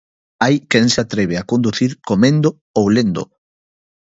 Hai quen se atreve a conducir comendo ou lendo.